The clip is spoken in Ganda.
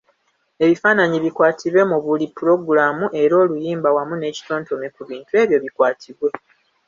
Ebifaanayi bikwatibwe mu buli pulogulaamu era oluyimba wamu n’ekitontome ku bintu ebyo bikwatibwe.